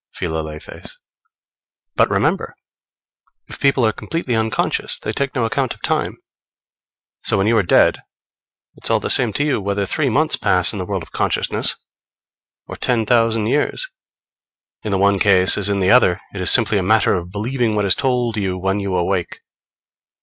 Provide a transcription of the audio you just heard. Philalethes. But remember, if people are completely unconscious, they take no account of time. So, when you are dead, it's all the same to you whether three months pass in the world of consciousness, or ten thousand years. In the one case as in the other, it is simply a matter of believing what is told you when you awake.